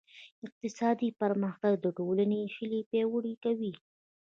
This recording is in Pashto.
اقتصادي پرمختګ د ټولنې هیلې پیاوړې کوي.